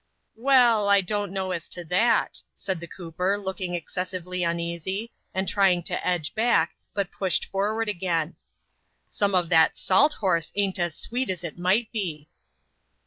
Well, I don't know as to that," said the cooper, looking Kcessively uneasy, and trying to edge back, but pushed forward gain. " Some of that salt horse ain 't as sweet as it might be."